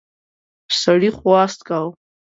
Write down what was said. سړي خواست کاوه.